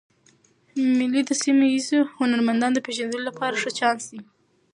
مېلې د سیمه ییزو هنرمندانو د پېژندلو له پاره ښه چانس دئ.